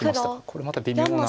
これまた微妙な。